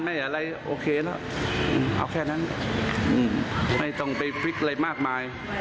อะไรโอเคแล้วเอาแค่นั้นไม่ต้องไปฟิตอะไรมากมาย